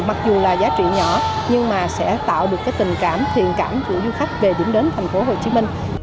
mặc dù là giá trị nhỏ nhưng mà sẽ tạo được tình cảm thiện cảm của du khách về điểm đến tp hcm